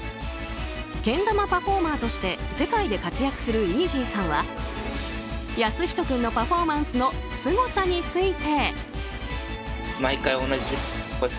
けん玉パフォーマーとして世界で活躍するイージーさんは靖仁君のパフォーマンスのすごさについて。